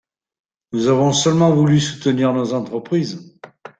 Nous avons seulement voulu soutenir nos entreprises